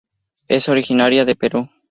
Es originaria de Perú.